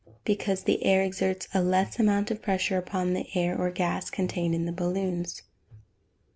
_ Because the air exerts a less amount of pressure upon the air or gas contained in the balloons.